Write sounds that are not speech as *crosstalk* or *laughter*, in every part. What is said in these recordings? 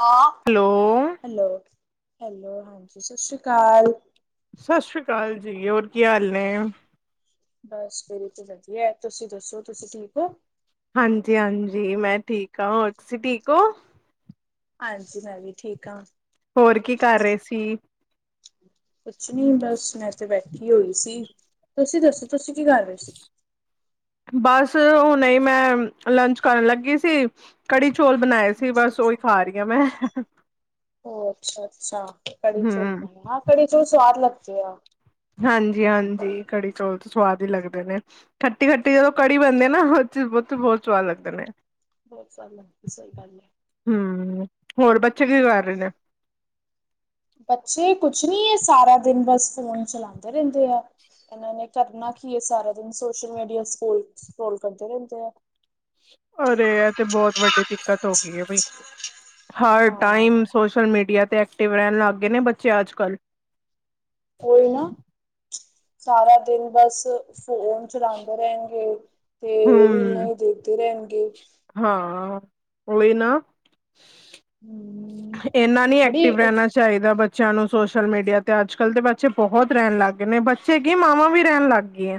ਹਾਂ। Hello. Hello, hello ਹਾਂਜੀ ਸਤਿ ਸ਼੍ਰੀ ਅਕਾਲ। ਸਤਿ ਸ਼੍ਰੀ ਅਕਾਲ ਜੀ। ਹੋਰ ਕੀ ਹਾਲ ਨੇਂ। ਬਸ ਮੇਰੇ ਤੇ ਵਧੀਆਂ ਏਂ, ਤੁਸੀਂ ਦੱਸੋਂ ਤੁਸੀਂ ਠੀਕ ਹੋ। ਹਾਂਜੀ, ਹਾਂਜੀ ਮੈਂ ਠੀਕ ਹਾਂ। ਹੋਰ ਤੁਸੀਂ ਠੀਕ ਹੋ। ਹਾਂਜੀ ਮੈਂ ਵੀ ਠੀਕ ਹਾਂ। ਹੋਰ ਕੀ ਕਰ ਰਹੇਂ ਸੀ। ਕੁੱਛ ਨੀਂ ਬਸ ਮੈਂ ਤੇ ਬੈਠੀਂ ਹੋਈ ਸੀ, ਤੁਸੀਂ ਦੱਸੋਂ ਤੁਸੀਂ ਕੀ ਕਰ ਰਹੇਂ ਸੀ। ਬਸ ਹੁਣੇ ਈ ਮੈਂ ਲੰਚ ਕਰਨ ਲੱਗੀ ਸੀ। ਕੜੀ ਚੌਲ਼ ਬਣਾਏ ਸੀ ਅੱਛਾ ਬਸ ਉਹੀ ਖਾਂ ਰਹੀਂ ਹਾਂ ਮੈਂ। ਹੋਰ ਅੱਛਾ, ਅੱਛਾ, ਕੜੀ ਚੌਲ਼ ਹਮ ਬਣਾਏ, ਹਾਂ ਕੜੀ ਚੌਲ਼ ਸਵਾਦ ਲਗਦੇ ਆ। ਹਾਂਜੀ, ਹਾਂਜੀ ਕੜੀ ਚੌਲ਼ ਤੇ ਸਵਾਦ ਹੀ ਲੱਗਦੇ ਨੇਂ। ਖੱਟੀ ਖੱਟੀ ਜਦੋਂ ਕੜੀ ਬਣਦੇ ਨਾ ਉਹ ਉਚ ਬਹੁਤ ਸਵਾਦ ਲੱਗਦੇ ਨੇਂ। ਹੋਰ ਸਬ ਨਾਲ਼ ਸਹੀ ਗੱਲ਼ ਏਂ। ਹਮ, ਹੋਰ ਬੱਚੇ ਕੀ ਕਰ ਰਹੇ ਨੇ। ਬੱਚੇ ਕੁਛ ਨੀ ਇਹ ਸਾਰਾ ਦਿਨ ਬਸ ਫੋਨ ਚਲਾਉਂਦੇ ਰਹਿੰਦੇ ਆ। ਇਹਨਾਂ ਨੇ ਕਰਨਾ ਕੀ ਇਹ ਸਾਰਾ ਦਿਨ ਸੋਸ਼ਲ ਮੀਡੀਆ ਸਕਲ ਸਕਰੋਲ ਕਰਦੇ ਰਹਿੰਦੇ ਆ। ਅਰੇ, ਇਹ ਤੇ ਬਹੁਤ ਵੱਡੀ ਦਿੱਕਤ ਹੋ ਗਈ ਬਈ। ਹਰ ਟਾਈਮ ਹਾਂ ਸੋਸ਼ਲ ਮੀਡੀਆ ਤੇ ਐਕਟਿਵ ਰਹਿਣ ਲੱਗ ਗਏ ਨੇ ਬੱਚੇ ਅੱਜ ਕੱਲ੍ਹ। ਉਹੀ ਨਾ, ਸਾਰਾ ਦਿਨ ਬਸ। ਫੋਨ ਚਲਾਉਂਦੇ ਰਹਿਣਗੇ ਤੇ ਹੂੰ ਰੀਲਾਂ ਹੀ ਦੇਖਦੇ ਰਹਿਣਗੇ। ਹਾਂ, ਉਹਹੀ ਨਾ। ਹੂੰ ਇੰਨਾ ਨਹੀਂ ਬੜੀ ਐਕਟਿਵ ਰਹਿਣਾ ਚਾਹੀਦਾ। ਚਾਹੀਦਾ। ਬੱਚਿਆਂ ਨੂੰ ਸੋਸ਼ਲ ਮੀਡੀਆ ਤੇ ਅੱਜ ਕੱਲ੍ਹ ਦੇ ਬੱਚੇ ਬਹੁਤ ਰਹਿਣ ਲੱਗ ਗਏ ਨੇ ਬੱਚੇ। ਮਾਵਾਂ ਵੀ ਰਹਿਣ ਲੱਗ ਗਈਆਂ।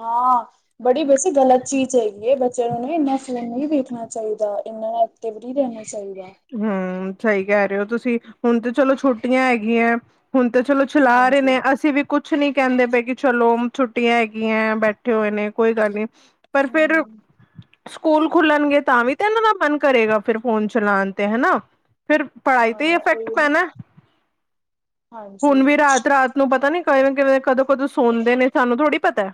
ਹਾਂ। ਬੜੀ ਵੈਸੇ ਗ਼ਲਤ ਚੀਜ਼ ਹੈਗੀ ਹੈ ਬੱਚਿਆਂ ਨੂੰਨ ਇੰਨਾ ਫੋਨ ਨਹੀਂ ਵੇਖਣਾ ਚਾਹੀਦਾ। ਇੰਨਾ ਤੇ ਵੀ ਦੇਣਾ ਚਾਹੀਗਾ। ਹਮ, ਸਹੀ ਕਹਿ ਰਹੇ ਹੋ ਤੁਸੀਂ ਹੁਣ ਤੇ ਚਲੋ ਛੋਟੀਆਂ ਹੈਗੀਆਂ। ਹੁਣ ਤੇ ਚਲੋ। ਚਲਾ ਰਹੇ ਹਾਂਜੀ। ਨੇ। ਅਸੀਂ ਵੀ ਕੁਛ ਨੀ ਕਹਿੰਦੇ ਪਏ ਕਿ ਚਲੋ ਛੁੱਟੀਆਂ ਹੈਗੀਆਂ ਬੈਠੇ ਹੋਏ ਨੇ ਕੋਈ ਗੱਲ ਨਹੀਂ। ਪਰ ਫੇਰ ਹੂੰ ਸਕੂਲ ਖੁੱਲਣਗੇ ਤਾਂ ਵੀ ਤਾਂ ਇਹਨਾਂ ਦਾ ਮਨ ਕਰੇਗਾ। ਫਿਰ ਫੋਨ ਚਲਾਉਣ ਤੇ ਹਨਾ। ਫਿਰ ਪੜ੍ਹਾਈ ਤੇ ਹੀ ਹਾਂ ਇਫੈਕਟ ਉਹੀ ਨਾ ਪੈਣਾ। ਹੁਣ ਹਾਂਜੀ ਵੀ ਰਾਤ- ਰਾਤ ਨੂੰ ਪਤਾ ਨੀ ਕਿਵੇਂ- ਕਿਵੇਂ ਕਦੋਂ -ਕਦੋਂ ਸੁਣਦੇ ਨੇ ਸਾਨੂੰ ਥੋੜੀ ਪਤਾ।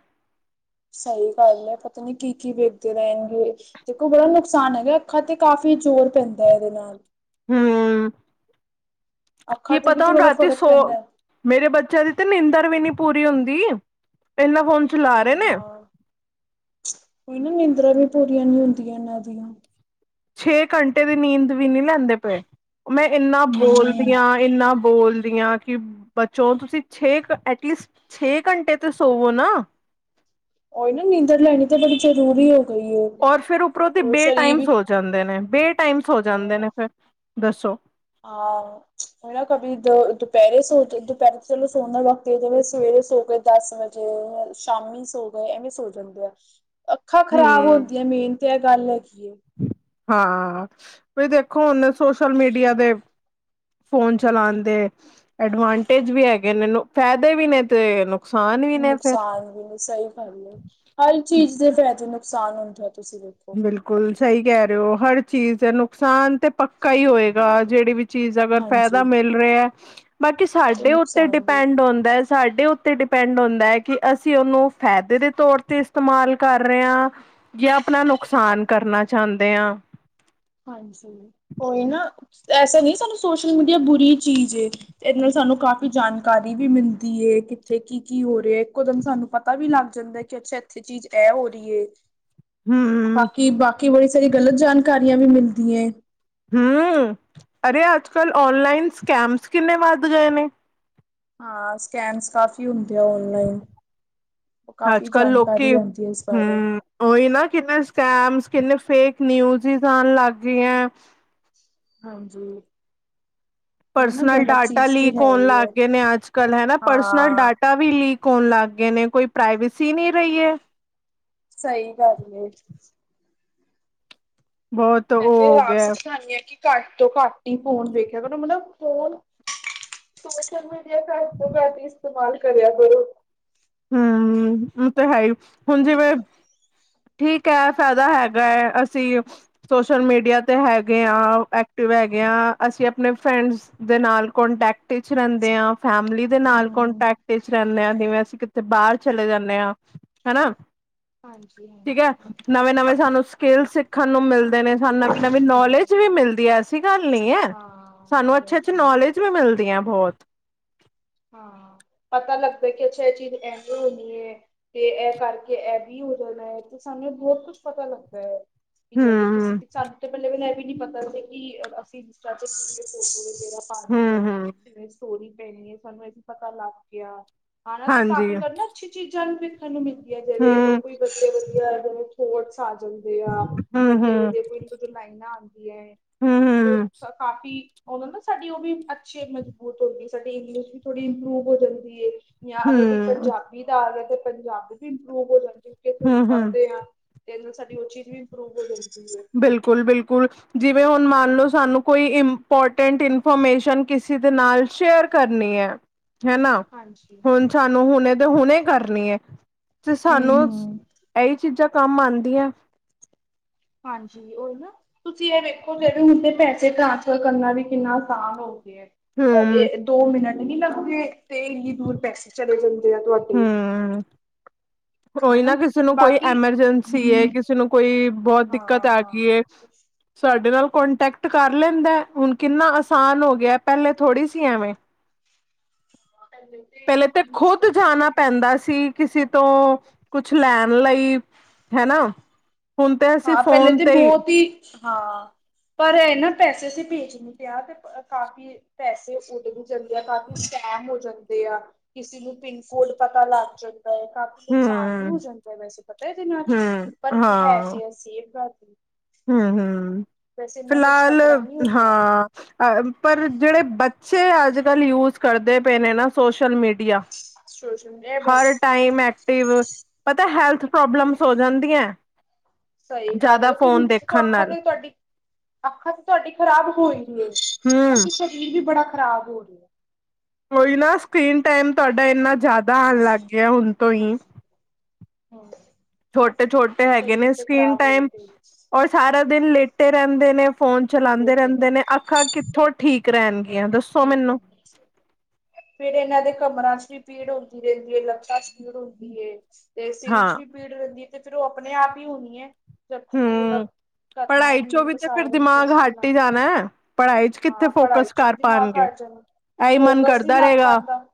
ਸਹੀ ਗੱਲ ਹੈ ਪਤਾ ਨੀ ਕੀ -ਕੀ ਵੇਖਦੇ ਰਹਿਣਗੇ। ਦੇਖੋ, ਬੜਾ ਨੁਕਸਾਨ ਹੈਗਾ ਅੱਖਾਂ ਤੇ ਕਾਫ਼ੀ ਜ਼ੋਰ ਪੈਂਦਾ ਇਹਦੇ ਨਾਲ। ਹਮ, ਅੱਖਾਂ ਕੀ ਤੇ ਵੀ ਪਤਾ ਤੇ ਹੁਣ ਬੜਾ ਰਾਤੀ ਫ਼ਰਕ ਸੋ ਪੈਂਦਾ। ਮੇਰੇ ਬੱਚਿਆਂ ਦੀ ਤਾਂ ਨੀਦਰ ਵੀ ਨੀ ਪੂਰੀ ਹੁੰਦੀ। ਇਹਨਾਂ ਫੋਨ ਆ ਚਲਾ ਰਹੇ ਨੇ ਹਾਂ ਕੋਈ ਨਾ ਨਿੰਦਰਾ ਵੀ ਪੂਰੀਆਂ ਨੀ ਹੁੰਦੀਆਂ ਇਹਨਾਂ ਦੀਆਂ। ਛੇ ਘੰਟੇ ਦੀ ਨੀਂਦ ਵੀ ਨਹੀਂ ਲੈਂਦੇ ਪਏ। ਮੈਂ ਇੰਨਾ ਬੋਲਦੀ ਹਮ। ਹਾਂ। ਇੰਨਾ ਬੋਲਦੀਆਂ ਹਾਂ ਕਿ ਬੱਚੋਂ ਤੁਸੀਂ ਛੇ ਕੁ ਐਟਲੀਸਟ ਛੇ ਘੰਟੇ ਤੇ ਸੋਵੋ ਨਾ। ਉਹੀ ਨਾ ਨੀਂਦਰ ਲੈਣੀ ਤਾਂ ਬੜੀ ਜ਼ਰੂਰੀ ਏ। ਔਰ ਫਿਰ ਉਪਰੋਂ ਦੇ ਬੇ ਟਾਈਮ ਸੌ ਜਾਂਦੇ ਨੇ, ਬੇ ਟਾਈਮ ਸੌ ਜਾਂਦੇ ਨੇ ਫਿਰ ਦੱਸੋ। ਆ ਹ। *unintelligible* ਕਭੀ ਦ ਦੁਪਹਿਰੇ ਸੋ ਦੁਪਹਿਰੇ ਚਲੋ ਸੋਨ ਵਕਤ ਜਿਵੇਂ ਸਵੇਰੇ ਸੋ ਕੇ ਦਸ ਵਜੇ ਸ਼ਾਮੀ ਸੋ ਗਏ ਐਵੇਂ ਸੋ ਜਾਂਦੇ ਆ। ਅੱਖਾਂ ਖ਼ਰਾਬ ਹੂੰ। ਹੋਂਦੀਆਂ ਮੇਨ ਤੇ ਇਹ ਗੱਲ ਹੈਗੀ ਏ। ਹਾਂ, ਵੀ ਦੇਖੋ ਹੁਣ ਸੋਸ਼ਲ ਮੀਡੀਆ ਦੇ ਫੋਨ ਚਲਾਉਣ ਦੇ ਐਡਵਾਂਟੇਜ ਵੀ ਹੈਗੇ ਨੇਨੂੰ ਫਾਇਦੇ ਵੀ ਨੇ ਤੇਨ। ਨੁਕਸਾਨ ਵੀ ਨਹੀਂ ਸਹੀ ਗੱਲ ਹੈ ਹਰ ਚੀਜ਼ ਦੇ ਫਾਇਦੇ ਨੁਕਸਾਨ ਹੁੰਦਾ ਹੈ। ਤੁਸੀਂ ਦੇਖੋ' ਬਿਲਕੁਲ ਸਹੀ ਕਹਿ ਰਹੇ ਹੋ। ਹਰ ਚੀਜ਼ ਨੁਕਸਾਨ ਤੇ। ਪੱਕਾ ਹੀ ਹੋਏਗਾ। ਜਿਹੜੀ ਵੀ ਚੀਜ਼ ਅਗਰ ਹਾਂਜੀ ਫਾਇਦਾ ਮਿਲ ਰਿਹਾ। ਬਾਕੀ ਤੇ ਸਾਡੇ ਉੱਤੇ ਨੁਕਸਾਨ ਵੀ ਡਿਪੈਂਡ ਆਉਂਦਾ। ਸਾਡੇ ਉੱਤੇ ਡਿਪੈਂਡ ਹੁੰਦਾ ਹੈ ਕਿ ਅਸੀਂ ਉਹਨੂੰ ਫਾਇਦੇ ਦੇ ਤੌਰ ਤੇ ਇਸਤੇਮਾਲ ਕਰ ਰਹੇ ਹਾਂ। ਜਾਂ ਆਪਣਾ ਨੁਕਸਾਨ ਕਰਨਾ ਚਾਹੁੰਦੇ ਹਾਂ। ਹਾਂਜੀ। ਕੋਈ ਨਾ ਐਸਾ ਨਹੀਂ ਸਾਨੂੰ ਸੋਸ਼ਲ ਮੀਡੀਆ ਬੁਰੀ ਚੀਜ਼ ਏ। ਤੇ ਇਹਦੇ ਨਾਲ ਸਾਨੂੰ ਕਾਫ਼ੀ ਜਾਣਕਾਰੀ ਵੀ ਮਿਲਦੀ ਹੈ ਕਿੱਥੇ ਕੀ- ਕੀ ਹੋ ਰਿਹਾ। ਇੱਕਦਮ ਸਾਨੂੰ ਪਤਾ ਵੀ ਲੱਗ ਜਾਂਦਾ ਕਿ ਅੱਛਾ ਇੱਥੇ ਚੀਜ਼ ਇਹ ਹੋ ਰਹੀ ਹੈ। ਹਮ ਬਾਕੀ- ਬਾਕੀ ਬੜੀ ਸਾਰੀ ਗਲਤ ਜਾਣਕਾਰੀਆਂ ਵੀ ਮਿਲਦੀ ਏ। ਹਮ। ਅਰੇ ਅੱਜ ਕੱਲ੍ਹ ਔਨਲਾਈਨ ਸਕੈਮਸ ਕਿੰਨੇ ਵੱਧ ਗਏ ਨੇ। ਹਾਂ ਸਕੈਮਸ ਕਾਫੀ ਹੁੰਦੇ ਅ ਔਨਲਾਈਨ। ਓ ਅੱਜ ਕਾਫ਼ੀ ਕੱਲ ਲੋਕੀ ਜਾਣਕਾਰੀ ਆਉਂਦੀ ਹੈ ਇਸ ਬਾਰੇ। ਹਮ ਉਹੀ ਨਾ ਕਿੰਨੇ ਸਕੈਮਸ ਕਿੰਨੇ ਫੇਕ ਨਿਊਜ਼ਸ ਆਉਣ ਲੱਗ ਗਈਆਂ। ਹਾਂਜੀ। ਉਹ ਨਾ ਪਰਸਨਲ ਗਲਤ ਡਾਟਾ ਚੀਜ਼ ਤੇ ਲੀਕ ਹੈ ਹੋਣ ਹੀ ਲੱਗ ਹੈ ਗਏ ਨੇ ਅੱਜ ਕੱਲ ਹਨਾ, ਪਰਸਨਲ ਹਾਂ ਡਾਟਾ *unintelligible* ਵੀ ਲੀਕ ਹੋਣ ਲੱਗ ਗਏ ਨੇ ਕੋਈ ਪ੍ਰਾਈਵੇਸੀ ਨਹੀਂ ਰਹੀ ਏ। ਸਹੀ ਗੱਲ ਏ। ਬਹੁਤ ਉਹ ਮੈਂ ਫੇਰ ਹੋ ਆਪ ਗਿਆ ਸਮਝਾਨੀ ਅ ਕਿ ਘੱਟ ਤੋਂ ਘੱਟ ਹੀ ਫੋਨ ਵੇਖਿਆ ਕਰੋ ਮਤਲਬ, ਫੋਨ ਸੋਸ਼ਲ ਮੀਡੀਆ ਘੱਟ ਤੋਂ ਘੱਟ ਇਸਤੇਮਾਲ ਕਰਿਆ ਕਰੋ। ਹ ਮ ਉ ਤੇ ਹੈ ਹੀ ਹੁਣ ਜਿਵੇਂ ਠੀਕ ਹੈ ਫਾਇਦਾ ਹੈਗਾ ਹੈ ਅਸੀਂ ਸੋਸ਼ਲ ਮੀਡੀਆ 'ਤੇ ਹੈਗੇ ਹਾਂ, ਐਕਟਿਵ ਹੈਗੇ ਹਾਂ ਅਸੀਂ ਆਪਣੇ ਫਰੈਂਡਸ ਦੇ ਨਾਲ ਕੋਂਟੈਕਟ ਤੇ ਚ ਰਹਿੰਦੇ ਹਾਂ ਫੈਮਿਲੀ ਦੇ ਨਾਲ ਹੂੰ। ਕੋਂਟੈਕਟ ਚ ਰਹਦੇ ਆਾਂ ਜਿਵੇਂ ਅਸੀਂ ਕਿ ਬਾਹਰ ਚਲੇ ਜਾਨੇ ਹਾਂ, ਹਨਾ? ਹਾਂਜੀ ਹ ਠੀਕ ਹੈ, ਨਵੇਂ ਨਵੇਂ ਸਾਨੂੰ ਸਕਿੱਲ ਸਿੱਖਣ ਨੂੰ ਮਿਲਦੇ ਨੇ ਸਾਨੂੰ ਨਵੀਂ ਨਵੀਂ ਨੌਲੇਜ 'ਚ ਵੀ ਮਿਲਦੀ ਹੈ ਐਸੀ ਗੱਲ ਨਹੀਂ ਏ, ਹਾਂ ਸਾਨੂੰ ਅੱਛੇ ਨੌਲੇਜ ਅੱਛੇ ਵੀ ਮਿਲਦੀ ਨੌਲੇਜ ਵੀ ਹੈ। ਮਿਲਦੀ ਹੈ ਬਹੁਤ। ਹਾਂ, ਪਤਾ ਲੱਗਦਾ ਕਿ ਅੱਛਾ ਇਹ ਚੀਜ਼ ਐਵੇਂ ਹੋਣੀ ਏ। ਤੇ ਇਹ ਕਰਕੇ ਇਹ ਵੀ ਹੋ ਜਾਣਾ ਹੈ, ਤੇ ਸਾਨੂੰ ਬਹੁਤ ਕੁਛ ਪਤਾ ਲੱਗਦਾ ਹੈ। ਕੀ ਜੈਵੇ ਕਿਸੀ ਹਮ ਸਾਨੂੰ ਤੇ ਪਹਿਲੇ ਇਹ ਵੀ ਨਹੀਂ ਪਤਾ ਸੀ, ਕਿ ਅਸੀਂ ਇੰਸਟਾ ਤੇ ਫੋਟੋ ਕਿਹਡ਼ੀ ਜਗ੍ਹਾ ਪਾਣੀ ਹਮ ਏ। ਹਮ ਫੇਰ ਸਟੋਰੀ ਪੈਣੀ ਵੇ ਸਾਨੂੰ ਇਹ ਵੀ ਪਤਾ ਲੱਗ ਗਿਆ, *unintelligible* ਹਾਂਜੀ ਕਾਪੀ ਕਰਨਾ ਅੱਛੀ ਚੀਜ਼ਾਂ ਵੀ ਵੇਖਣ ਨੂੰ ਮਿਲਦੀਆਂ ਜਿਵੇਂ ਹਮ ਉਹ ਕੋਈ। *unintelligible* ਥੋਟਸ ਆ ਜਾਂਦੇ ਆ ਹਮ ਵੱਧੀਆ ਹਮ ਵੱਧੀਆ ਕੁਝ ਨਾ ਕੁੱਝ ਲਾਈਨਾਂ ਆਉਂਦੀਆਂ। ਹਮ ਉਹ ਹਮ ਕਾਫੀ ਉਦੋਂ ਨਾ ਸਾਡੀ ਉਹ ਵੀ ਅੱਛੀ ਮਜ਼ਬੂਤ ਹੁੰਦੀ ਹੈ ਸਾਡੀ ਇੰਗਲਿਸ਼ ਵੀ ਥੋੜੀ ਇੰਪਰੂਵ ਹੋ ਜਾਂਦੀ ਏ। ਜਾਂ ਅਗਰ ਕੋਈ ਪੰਜਾਬੀ ਦਾ ਆ ਗਿਆ ਤਾਂ ਪੰਜਾਬੀ ਵੀ ਇੰਪਰੂਵ ਹੋ ਜਾਂਦੀ, ਕਿਉਂ ੳਹਨੂੰ ਹਮ ਹਮ ਪੜਦੇ ਆਂ। ਤੇ ਇਹਦੇ ਨਾਲ ਸਾਡੀ ਉਹ ਚੀਜ਼ ਵੀ ਇੰਪਰੂਵ ਹੋ ਜਾਂਦੀ ਏ। ਬਿਲਕੁਲ-ਬਿਲਕੁਲ, ਜਿਵੇਂ ਹੁਣ ਮੰਨ ਲਓ ਸਾਨੂੰ ਕੋਈ ਇੰਪੋਰਟੈਂਟ ਇਨਫੋਰਮੇਸ਼ਨ ਕਿਸੇ ਦੇ ਨਾਲ ਸ਼ੇਅਰ ਕਰਨੀ ਐ ਹੈਨਾ ਹਾਂਜੀ ਹੁਣ ਸਾਨੂੰ ਹੁਣੇ ਦੇ ਹੁਣੇ ਕਰਨੀ ਐ ਤੇ ਸਾਨੂੰ ਹਮ-ਹਮ ਐਈ ਚੀਜ਼ਾਂ ਕੰਮ ਆਂਦੀਆਂ ਹਾਂਜੀ ਓਇ ਨਾ, ਤੁਸੀਂ ਇਹ ਵੇਖੋ ਜਿਹੜੇ *unintelligible* ਤੇ ਪੈਸੇ ਟ੍ਰਾਂਸਫਰ ਕਰਨਾ ਵੀ ਕਿੰਨਾ ਆਸਾਨ ਹੋ ਗਿਆ। ਹਮ ਇਹ ਦੋ ਮਿੰਟ ਨੀ ਲੱਗਦੇ ਤੇ ਏਨੀ ਦੂਰ ਪੈਸੇ ਚਲੇ ਜਾਂਦੇ ਆ ਤੁਹਾਡੇ ਹੂੰ, ਓਈ ਨਾ ਹਨਾ ਕਿਸੇ ਨੂੰ ਕੋਈ ਬਾਕੀ ਐਮਰਜੈਂਸੀ ਏ ਕਿ ਕੋਈ ਬਹੁਤ ਦਿੱਕਤ ਹਾਂ ਆ ਗਈ ਹਾਂ ਏ। ਸਾਡੇ ਨਾਲ ਕੋਂਟੈਕਟ ਕਰ ਲੈਂਦਾ, ਹੁਣ ਕਿੰਨਾ ਆਸਾਨ ਹੋ ਗਿਆ ਪਹਿਲੇ ਥੋੜ੍ਹੀ ਸੀ ਐਵੇਂ। ਹਾਂਜੀ। ਪਹਿਲੇ ਤੇ ਖੁੱਦ ਜਾਣਾ ਪੈਂਦਾ ਸੀ। ਕਿਸੇ ਤੋਂ ਕੁਛ ਲੈਣ ਲਈ, ਹਨਾ ਹੁਣ ਤੇ ਅਸੀਂ ਹਾਂ ਪਹਿਲੇ ਫੋਨ ਤੇ ਹੀ ਬਹੁਤ ਹਾਂ। ਪਰ ਇਹ ਹੈ ਨਾ ਪੈਸੇ ਅਸੀਂ ਭੇਜਣੇ ਪਏ ਆ ਤੇ ਕਾਫੀ ਪੈਸੇ ਉਹਦੇ ਵਿਚ ਹੋ ਜਾਂਦੇ ਆ, ਕਾਫ਼ੀ ਸਕੈਮ ਹੋ ਜਾਂਦੇ ਆ ਕਿਸੀ ਨੂੰ ਪਿੰਨ ਕੋਡ ਪਤਾ ਲੱਗ ਜਾਂਦਾ ਹੈ ਕਾਫੀ ਨੁਕਸਾਨ ਵੀ ਹਮ ਹੋ ਜਾਂਦਾ ਵੈਸੇ, ਪਤਾ ਇਹਦੇ ਨਾਲ ਹਮ ਪਰ ਹੈ ਹਾਂ ਤੇ ਅਸੀ ਗ। *inaudible* ਹਮ ਹਮ ਕੁਛ ਫਿਲਹਾਲ ਖ਼ਤਰਾ ਨਹੀਂ ਹੁੰਦਾ ਹਾਂ। ਅ ਪਰ ਜਿਹੜੇ ਬੱਚੇ ਅੱਜ ਕੱਲ੍ਹ ਯੂਜ ਕਰਦੇ ਪਏ ਨੇ ਨਾ ਸੋਸ਼ਲ ਮੀਡੀਆ ਸੋਸ਼ਲ ਇਹ ਹਰ ਬਸ ਟਾਈਮ ਐਕਟਿਵ, ਪਤਾ ਹੈਲਥ ਪ੍ਰੋਬਲਮਸ ਹੋ ਜਾਂਦੀਆਂ। ਸਈ ਗਾੱਲ ਜ਼ਿਆਦਾ ਫੋਨ ਦੇਖਣ ਅੱਖਾਂ ਨਾਲ ਤੇ ਤੁਆਡੀ, ਅੱਖਾਂ ਤੇ ਤੁਆਡੀ ਖ਼ਰਾਬ ਹੋਈ ਗੇ ਹੂੰ ਬਾਕੀ ਸਰੀਰ ਵੀ ਬੜਾ ਖ਼ਰਾਬ ਹੋ ਰਿਆ ਓਈ ਨਾ ਸ੍ਰੀਕੀਨ ਟਾਈਮ ਤੁਆਡਾ ਏਨਾ ਜਾਦਾ ਆਨ ਲਾੱਗ ਗੇਆ ਹੋਨ ਹੂੰ। ਛੋਟੇ-ਛੋਟੇ ਹੈਗੇ ਨੇ ਸ੍ਰੀਕੀਨ ਟਾਈਮ, ਤੇ ਓਰ ਸਾਰਾ ਦਿਨ ਲੇਟੇ ਰੈਂਦੇ ਨੇ ਫੋਨ ਚਲਾਂਦੇ ਰੈਂਦੇ ਨੇ ਅੱਖਾਂ ਕਿੱਥੋਂ ਠੀਕ ਰੈਨਗੀਆਂ ਦੱਸੋ? ਠੀਕ ਐ ਮੈਨੂੰ ਜੀ। ਫੇਰ ਏਨਾਂ ਦੇ ਕਮਰਾਂ ਚ ਵੀ ਪੀੜ ਹੋਂਦੀ ਰੇਂਦੀ ਏ ਲੱਤਾਂ ਚ ਪੀੜ ਹੋਂਦੀ ਏ। ਤੇ ਸਿਰੀ ਹਾਂ ਚ ਵੀ ਪੀੜ ਰੈਦੀ ਏ ਤੇ ਫੇਰ ਓ ਅਪਨੇ ਆਪ ਈ ਹੋਨੀ ਏ, ਜਦ ਤੁਸੀ ਓਦਾ ਪੜਾਈ ਚੋਂ ਵੀ ਤੇ ਫਿਰ ਦਿਮਾਗ ਹਾੱਟੀ ਜਾਨੈ ਪੜਾਈ ਚ ਕਿੱਥੇ ਹਾਂ ਪੜ੍ਹਾਈ ਫੋਕਸ ਚ ਵੀ ਕਾਰ ਦਿਮਾਗ ਪਾਨਗੇ, ਹਟ ਜਾਣਾ ਐਈ ਮਨ ਫੋਕਸ ਨਹੀਂ ਕਰਦਾ ਲੱਗ ਰੇਗਾ ਪਾਉਂਦਾ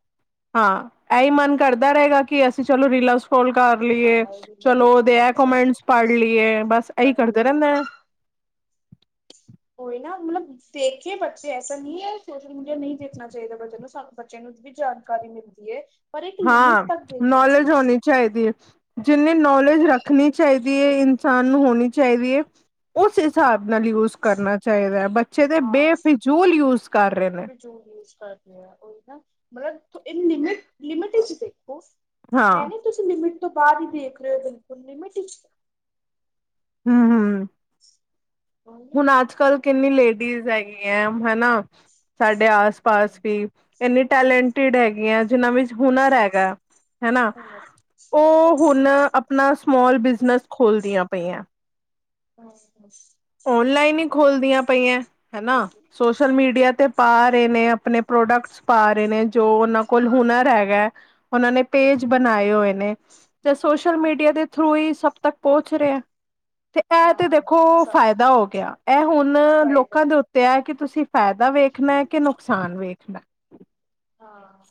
ਹਾਂ, ਐਈ ਮਾਨ ਕਰਦਾ ਰੇਗਾ ਕਿ ਅਸੀਂ ਚਲੋ ਰੀਲਾ ਕੋਲ ਕਾਰ ਲੀਏ ਹਾਂ ਇਹ ਵੀ ਚਲੋ ਦੇਖ ਓਦੇ ਐ ਲ ਸਹੀ ਗ ਕੋਮੈਂਟਸ ਪਾੜ ਲੀਏ, ਬਾਸ ਐਈ ਪੜ੍ਹ ਕਰਦੇ ਲਈਏ ਰੈਂਨੇ ਐ। *inaudible* ਓਈ ਨਾ ਮਲਬ ਦੇਖੇ ਬੱਚੇ ਐਸੇ ਨੀ ਐ, ਸੋਸ਼ਲ ਮੀਡੀਆ ਨਈ ਦੇਖਨਾ ਚਾਈਦਾ ਬੱਚੇਆਂ ਨੂੰ ਸਾਨੂੰ ਬੱਚੇ ਨੂੰ ਵੀ ਜਾਨਕਾਰੀ ਮਿਲਦੀ ਏ, ਪਰ ਇੱਕ ਲਿਮਿਟ ਤੱਕ ਦੇਖਨਾ ਚਾਈਦਾ। ਚਾਈਦੀ ਏ, ਜਿੰਨੀ ਨੋਲੇਜ ਰੱਖਨੀ ਚਾਈਦੀ ਏ ਇਨਸਾਨ ਨੂੰ ਹੋਨੀ ਚਾਈਦੀ ਏ ਓਸ ਹਿਸਾਬ ਨਾਲ ਯੂਜ ਕਰਨਾ ਚਾਈਦੈ, ਬੱਚੇ ਤੇ ਬੇਫਿਜੂਲ ਯੂਜ਼ ਕਾਰ ਰੇ ਨੇ। *unintelligible* ਕਾਰਦੇ ਆ ਓ ਨਾ, ਮਲਬ ਲਿਮਿਟ-ਲਿਮੀਟ ਚ ਦੇਖੋ ਹਾਂ ਐ ਨੀ ਤੁਸੀਂ ਲਿਮਿਟ ਤੋਂ ਬਾਰ ਈ ਦੇਖ ਰੇ ਓ ਬਿਲਕੁਲ, ਲਿਮਿਟੀ ਚ ਹੂੰ-ਹੂੰ। ਹਾਂਜੀ ਹੁਨ ਆੱਜ-ਕੱਲ ਕਿਨੀ ਲੇਡੀਜ਼ ਹੈਗੀ ਐਂ ਹੈਨਾ, ਸਾਡੇ ਆਸ-ਪਾਸ ਵੀ ਹਾਂਜੀ ਐਨੀ ਟੈਲੈਂਟਿੜ ਹੈਗੀਐਂ ਜਿਨਾਂ ਵਿੱਚ ਹੁਨਰ ਹੈਗਾ ਹੈਨਾ, ਓ ਹੁਨ ਅਪਣਾ ਸਮੌਲ ਬਿਜ਼ਨਸ ਖੋਲਦੀਆਂ ਪਈਆਂ *unintelligible* ਓਨਲਾਈਨ ਈ ਖੋਲਦੀਯਾਂ ਪਈਐਂ? ਹਨਾ, ਹਾਂਜੀ ਸੋਸਲ ਮੀੜੀਆ ਤੇ ਪਾ ਰੇ ਨੇੇ ਆਪਨੇ ਪ੍ਰੋਡਕਟ ਪਾ ਰੇ ਨੇ ਜੋ ਓਨਾਂ ਕੋਲ ਹੁਨਰ ਹੈਗੈ, ਓਨਾਂ ਨੇ ਪੇਜ ਬਨਾਏ ਹੋਏ ਨੇ। ਤੇ ਸੋਸ਼ਲ ਮੀਡੀਆ ਦੇ ਥ੍ਰੂ ਈ ਸਬ ਤਕ ਪੋਂਚ ਰੇਆ ਤੇ ਹਾਂ, ਸ ਫੈਦਾ ਹੋ ਗੇਆ, ਐ ਹੋਨ ਲੋਕਾਂ ਦੇ ਉੱਤੇ ਐ ਕਿ ਤੁਸੀਂ ਫੈਦਾ ਹਾਂ ਇਹ ਵੇਖਨਾ ਐ ਕੇ ਨੁਕਸਾਨ ਵੇਖਨੈ। ਹਾਂ,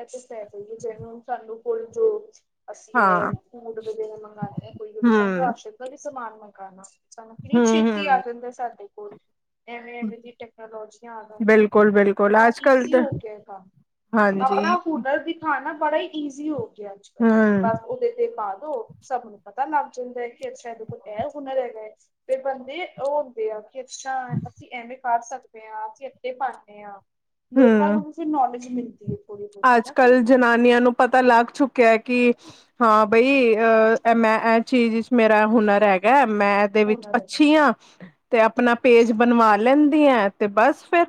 ਐਦੇ ਫੈਦੇ ਵੀ ਜਨੂਯਨ *unintelligible* ਅਸੀਂ ਹਾਂ। ਐ, ਫੂੜ *unintelligible* ਮੰਗਾਂਏ ਏ ਕੋਈ ਸਾਨੂੰ ਹੂੰ, ਰਾਸ਼ਦ ਦਾ ਵੀ ਸਮਾਨ ਮੰਗਾਨਾ ਸਾਨੂੰ ਕਿਨੀ ਹੂੰ, ਛੇਤੀ ਆ ਹੂੰ। ਜਾਂਦਾ ਸਾਡੇ ਕੋਲ, ਐਵੇਂ-ਐਵੇਂ ਦੀ ਟੈਕਨੋਲੋਜੀਆਂ ਆ ਜਾਂਦੀਆਂ ਕਿ ਬਿਲਕੁਲ-ਬਿਲਕੁਲ ਥੋੜਾ ਅੱਜ-ਕੱਲ ਈਜ਼ੀ ਤੇ ਹੋ ਗੇਯਾ ਐ ਕਾੰਮ, *unintelligible* ਹਾਂਜੀ, ਹਾਂਨਾ, ਬੜਾ ਈਜ਼ੀ ਹੋ ਗੇਆ ਅੱਜ-ਕੱਲ, ਹੂੰ, ਬਸ ਓਦੇ ਤੇ ਪਾਦੋ ਸਬ ਨੂੰ ਪਤਾ ਨਵਜੀਂਦਰ ਦਾ ਕਿ ਅੱਛਾ ਐਦੇ ਕੋਲ ਐ ਹੁਨਰ ਹੈਗੈ ਫੇਰ ਬੰਦੇ ਓ ਹੁੰਦੇ ਆ ਅੱਛਾ, ਅਸੀਂ ਐਵੇਂ ਕਾਰ ਸਕਦੇ ਆਂ ਅਸੀਂ ਅੱਦੇ ਪਾਨੇ ਆ। ਲੋਕਾਂ ਹੂੰ। ਨੂੰ ਵੀ ਫਿਰ ਨੌਲੇਜ ਮਿਲਦੀ ਏ ਥੋੜੀ ਬੋਤ ਅੱਜ-ਕੱਲ ਜਨਾਨੀਆਂ ਨੂੰ ਪਤਾ ਲਾੱਗ ਚੁੱਕੇਆ ਐ ਕਿ, ਹਾਂ ਬਈ ਅ ਐ ਮੈਂ ਐ ਚੀਜ ਚ ਮੇਰਾ ਹੁੱਨਰ ਹੈਗੈ ਮੈਂ ਐਦੇ ਵਿੱਚ ਹੁਨਰ ਹੈਗਾ ਅੱਛੀ ਆ, ਤੇ ਅਪਨਾ ਪੇਜ ਅੱਛਾ ਬਨਵਾ ਲ ਲੇਂਦੀ ਆ ਤੇ ਬਾਸ ਫੇਰ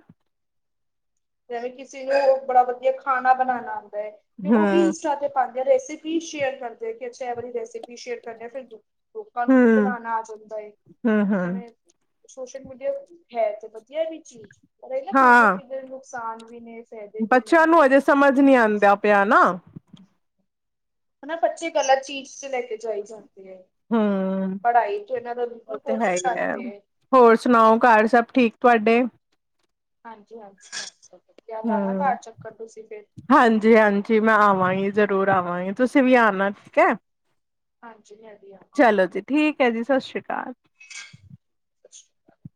ਜਿਵੇਂ ਕਿਸੇ ਨੂੰ ਬੜਾ ਵਦੀਆ ਖਾਨਾ ਬਨਾਨਾ ਆਂਦੈ, ਤੇ ਓ ਵੀ ਹੂੰ, ਇੰਸਟਾ ਤੇ ਪਾ ਰੇਸਿਪੀ ਸ਼ੇਅਰ ਕਰਦੇ, ਤੇ ਕੇ ਅੱਛਾ ਐ ਵਾਲੀ ਰੇਸਿਪੀ ਸ਼ੇਅਰ ਕਰਨੇ ਆ ਫਿਰ ਦੁ ਲੋਕਾਂ ਨੂੰ ਵੀ ਹੂੰ, ਬਨਾਨਾ ਆ ਜਾਂਦਾ ਏ, ਹੂੰ, ਹੂੰ। ਐਵੇਂ ਸੋਸ਼ਲ ਮੀਡੀਆ ਹੈ ਤੇ ਵਦੀਆ ਵੀ ਚੀਜ, ਪਰ ਏ ਨਾ ਦੋਨੋ ਚੀਜਾਂ ਦੇ ਨੁਕਸਾਨ ਵੀ ਨੇ। ਫਾਇਦੇ ਵੀ ਬੱਚੇਆਂ ਨੇ ਨੂੰ ਅਜੇ ਸਮਜ ਨੀ ਆਂਦਾ ਪੇਆ ਨਾ। ਹਨਾ ਬੱਚੇ ਗਲਤ ਚੀਜ ਚ ਲੈ ਕੇ ਜਾਈ ਜਾਂਦੇ ਐ। ਹੂੰ। ਪੜ੍ਹਾਈ ਚ' ਇਹਨਾਂ ਦਾ ਉਹ ਬਿਲਕੁਲ ਤੇ ਹੈ ਫੋਕਸ ਹੀ ਘੱਟ ਹੈ। ਹੋਰ ਸੁਣਾਓ ਘਰ ਸਭ ਠੀਕ ਤੁਹਾਡੇ? ਹਾਂਜੀ- ਹਾਂਜੀ। ਆ ਲਾਨਾ ਘਰ ਚਕੱਰ ਤੁਸੀਂ ਫਿਰ। ਹਾਂਜੀ- ਹਾਂਜੀ, ਮੈਂ ਆਵਾਂਗੀ ਜ਼ਰੂਰ ਆਵਾਂਗੀ, ਤੁਸੀਂ ਵੀ ਆਉਣਾ ਠੀਕ ਹੈ। ਹਾਂਜੀ, ਮੈਂ ਵੀ ਆਵਾਂ ਜੀ ਠੀਕ ਹੈ ਜੀ, ਸਤਿ ਸ਼੍ਰੀ ਅਕਾਲ। *inaudible*